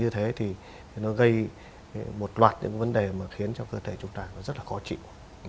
như thế thì nó gây một loạt những vấn đề mà khiến cho cơ thể chúng ta rất là khó chịu